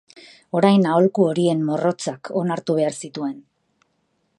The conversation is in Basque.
Orain aholku horien morrontzak onartu behar zituen.